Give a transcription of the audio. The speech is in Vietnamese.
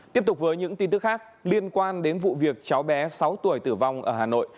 tiếp tục với những tin tức khác liên quan đến vụ việc cháu bé sáu tuổi tử vong ở hà nội